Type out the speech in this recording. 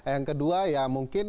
yang kedua ya mungkin